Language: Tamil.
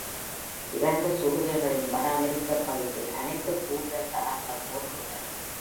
"இரண்டு சுடுகைகளின்" வட அமெரிக்கப் பதிப்பில் அனைத்துக் கூடுதல் தடங்களும் தோன்றுகின்றன.